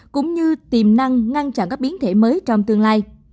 cũng như tiềm năng ngăn chặn các biến thể mới trong tương lai